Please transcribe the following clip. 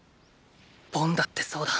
ボンだってそうだ。